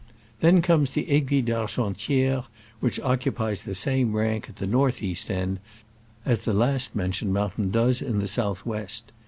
Then comes the Aiguille d'Argentiere, which occupies the same rank at the north east end as the last mentioned mountain does in the south west.